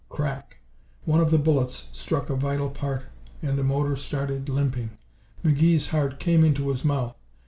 Crack! One of the bullets struck a vital part and the motor started limping. McGee's heart came into his mouth.